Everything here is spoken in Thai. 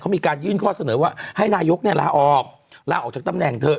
มีการยื่นข้อเสนอว่าให้นายกเนี่ยลาออกลาออกจากตำแหน่งเถอะ